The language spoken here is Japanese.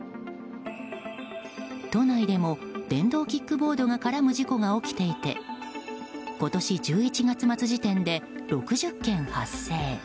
都内でも電動キックボードが絡む事故が起きていて今年１１月末時点で６０件発生。